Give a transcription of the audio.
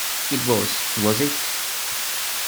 It was, was it?